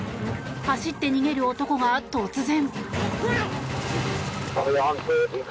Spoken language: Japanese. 走って逃げる男が突然。